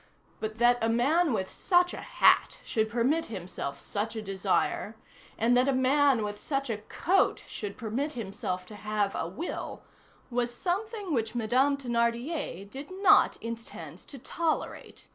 But that a man with such a hat should permit himself such a desire, and that a man with such a coat should permit himself to have a will, was something which Madame Thénardier did not intend to tolerate.